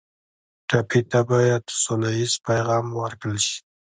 ټپي ته باید سوله ییز پیغام ورکړل شي.